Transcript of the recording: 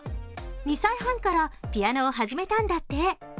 ２歳半からピアノを始めたんだって。